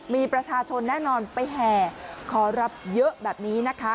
มีประชาชนแน่นอนไปแห่ขอรับเยอะแบบนี้นะคะ